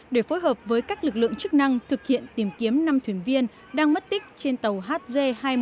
để phối hợp với các lực lượng chức năng thực hiện tìm kiếm năm thuyền viên đang mất tích trên tàu hd hai nghìn một trăm năm mươi năm